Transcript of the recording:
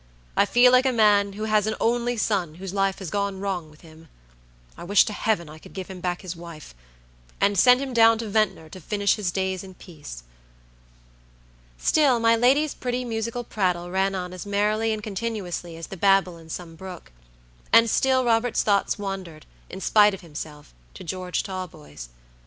"I feel like a man who has an only son whose life has gone wrong with him. I wish to Heaven I could give him back his wife, and send him down to Ventnor to finish his days in peace." Still my lady's pretty musical prattle ran on as merrily and continuously as the babble in some brook; and still Robert's thoughts wandered, in spite of himself, to George Talboys.